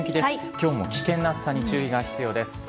今日も危険な暑さに注意が必要です。